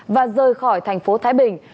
và rời khỏi thành phố thái bình